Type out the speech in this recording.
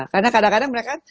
karena kadang kadang mereka